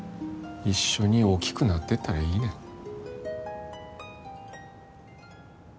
一緒に大きくなってったらいいねん。